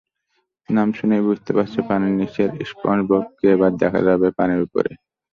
নাম শুনেই বুঝতে পারছ পানির নিচের স্পঞ্জববকে এবার দেখা যাবে পানির ওপরে।